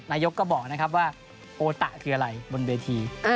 นายกก็บอกนะครับว่าโอตะคืออะไรบนเวที